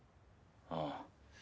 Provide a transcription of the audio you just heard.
ああ。